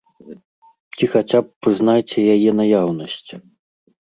Ці хаця б прызнайце яе наяўнасць.